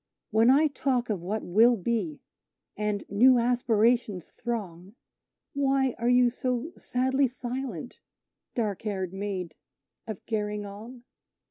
When I talk of what we will be, and new aspirations throng, Why are you so sadly silent, dark haired Maid of Gerringong?"